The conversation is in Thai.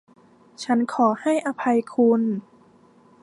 ฉันขอให้อภัยคุณ !